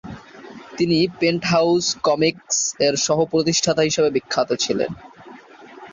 তিনি Penthouse Comics -এর সহ প্রতিষ্ঠাতা হিসেবে বিখ্যাত ছিলেন।